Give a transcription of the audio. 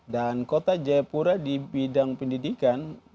dan kota jayapura di bidang pendidikan